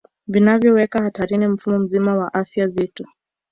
Vinavyoweka hatarini mfumo mzima wa afya zetu